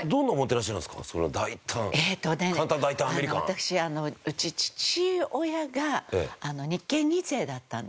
私うち父親が日系２世だったんですね。